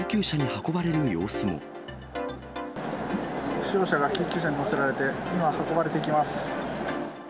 負傷者が救急車に乗せられて、今、運ばれていきます。